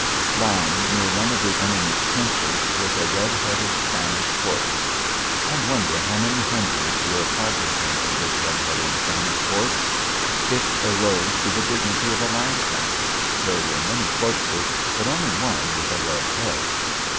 Lying near one of the enemy's trenches was a red headed Spanish corpse. I wonder how many hundreds were cognisant of this red headed Spanish corpse? It arose to the dignity of a landmark. There were many corpses but only one with a red head.